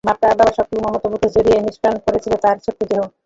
মা-বাবার সবটুকু মমতা বুকে জড়িয়ে নিষ্প্রাণ পড়ে ছিল তার ছোট্ট দেহ।